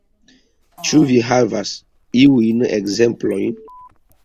Ĉu vi havas iujn ekzemplojn?